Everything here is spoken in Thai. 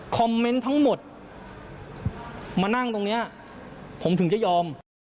เมนต์ทั้งหมดมานั่งตรงนี้ผมถึงจะยอม